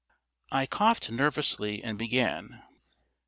I coughed nervously, and began.